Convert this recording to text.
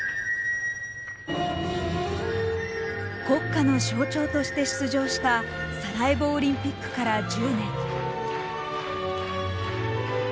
国家の象徴として出場したサラエボオリンピックから１０年。